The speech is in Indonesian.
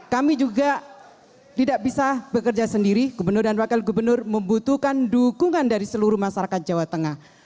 kami juga tidak bisa bekerja sendiri gubernur dan wakil gubernur membutuhkan dukungan dari seluruh masyarakat jawa tengah